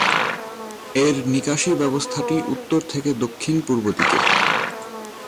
এর নিকাশী ব্যবস্থাটি উত্তর থেকে দক্ষিণ-পূর্ব দিকে।